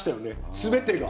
全てが。